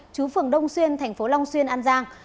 chú phường đông xuyên thành phố long xuyên an giang